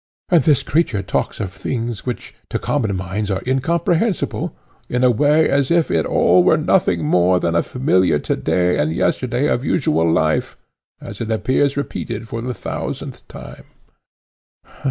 And this creature talks of things, which to common minds are incomprehensible, in a way as if it all were nothing more than the familiar to day and yesterday of usual life, as it appears repeated for the thousandth time.